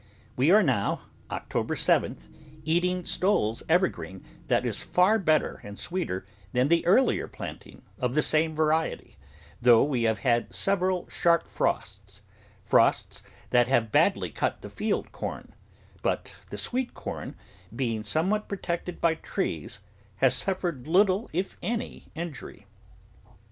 We are now — October 7th — eating Stowell's Evergreen that is far better and sweeter than the earlier planting of the same vari ety, though we have had several sharp frosts — frosts that have bady cut the field corn; but the sweet corn, being somewhat protected by trees, has suf fered little, if any, injury.